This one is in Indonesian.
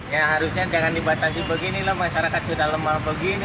ya harusnya jangan dibatasi beginilah masyarakat sudah lemah begini